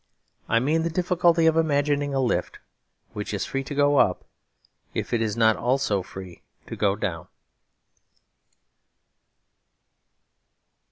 I mean the difficulty of imagining a lift which is free to go up, if it is not also free to go down.